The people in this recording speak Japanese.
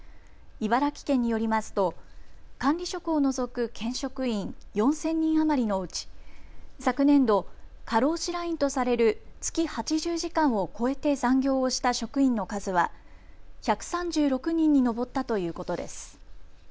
茨城県によりますと管理職を除く県職員４０００人余りのうち昨年度、過労死ラインとされる月８０時間を超えて残業をした職員の数は１３６人に上ったということです。